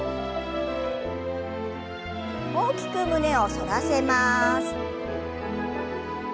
大きく胸を反らせます。